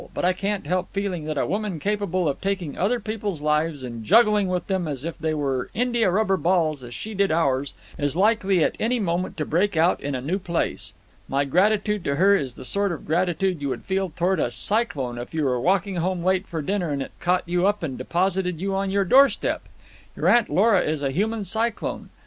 But I can't help feeling that a woman capable of taking other people's lives and juggling with them as if they were india rubber balls as she did with ours, is likely at any moment to break out in a new place. My gratitude to her is the sort of gratitude you would feel toward a cyclone if you were walking home late for dinner and it caught you up and deposited you on your doorstep. Your Aunt Lora is a human cyclone.